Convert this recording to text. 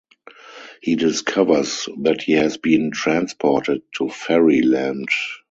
He discovers that he has been transported to Fairy Land.